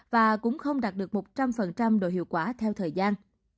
và cũng không đạt được một trăm linh độ hiệu quả theo thời gian